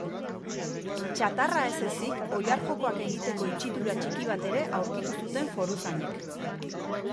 Txatarra ez ezik, oilar-jokoak egiteko itxitura txiki bat ere aurkitu zuten foruzainek.